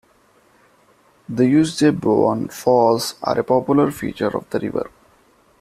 The Uisge Ban Falls are a popular feature of the river.